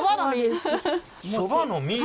そばの実？